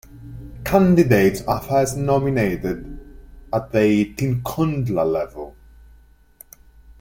Candidates are first nominated at the "tinkhundla" level.